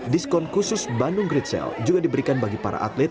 diskon khusus bandung great sale juga diberikan bagi para atlet